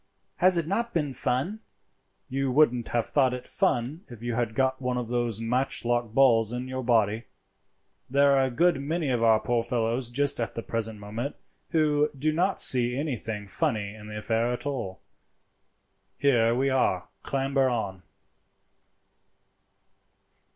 Has it not been fun?" "You wouldn't have thought it fun if you had got one of those matchlock balls in your body. There are a good many of our poor fellows just at the present moment who do not see anything funny in the affair at all. Here we are; clamber up."